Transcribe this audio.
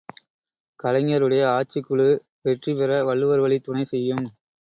கலைஞருடைய ஆட்சி முழு வெற்றி பெற வள்ளுவர் வழி துணை செய்யும்.